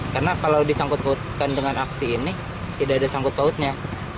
karena kalau disangkut pautkan dengan aksi ini tidak ada sangkut pautnya